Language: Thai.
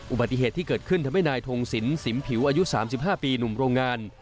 อุบัติเหตุที่เกิดขึ้นทำให้นายทงสินสิมผิวอายุ๓๕ปีหนุ่มโรงงาน